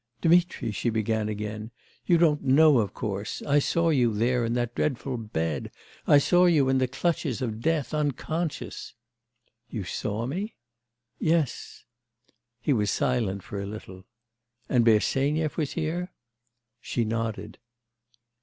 'Dmitri!' she began again, 'you don't know of course, I saw you there in that dreadful bed, I saw you in the clutches of death, unconscious.' 'You saw me?' 'Yes.' He was silent for a little. 'And Bersenyev was here?' She nodded.